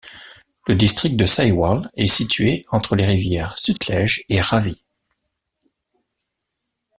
Le district de Sahiwal est situé entre les rivières Sutlej et Ravi.